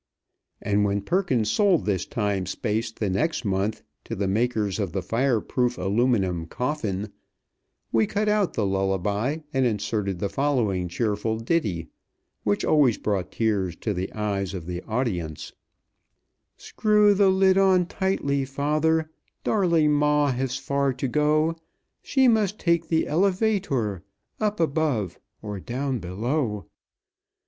And when Perkins sold this time space the next month to the makers of the Fireproof Aluminum Coffin, we cut out the lullaby, and inserted the following cheerful ditty, which always brought tears to the eyes of the audience: "Screw the lid on tightly, father, Darling ma has far to go; She must take the elevator Up above or down below.